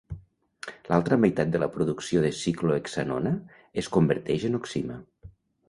L'altra meitat de la producció de ciclohexanona es converteix en oxima.